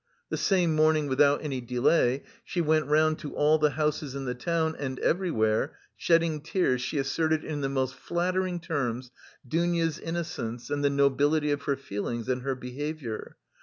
The same morning without any delay, she went round to all the houses in the town and everywhere, shedding tears, she asserted in the most flattering terms Dounia's innocence and the nobility of her feelings and her behavior.